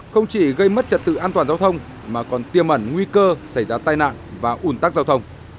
không chỉ gây mất trật tự an toàn giao thông mà còn tiêm ẩn nguy cơ xảy ra tai nạn và ủn tắc giao thông